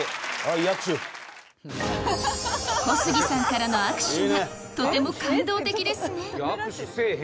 小杉さんからの握手がとても感動的ですね！